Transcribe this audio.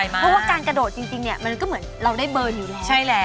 เพราะว่าการกระโดดจริงเนี่ยมันก็เหมือนเราได้เบิร์นอยู่แล้ว